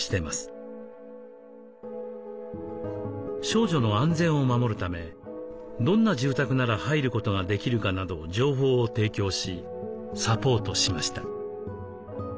少女の安全を守るためどんな住宅なら入ることができるかなど情報を提供しサポートしました。